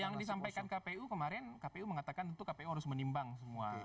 yang disampaikan kpu kemarin kpu mengatakan tentu kpu harus menimbang semua